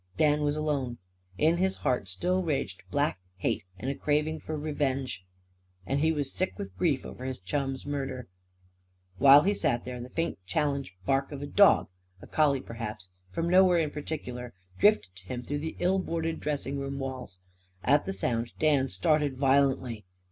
Dan was alone. In his heart still raged black hate and a craving for revenge. And he was sick with grief over his chum's murder. While he sat there, the faint challenge bark of a dog a collie, perhaps from nowhere in particular, drifted to him through the ill boarded dressing room walls. At the sound Dan started violently.